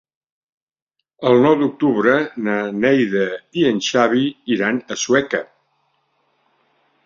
El nou d'octubre na Neida i en Xavi iran a Sueca.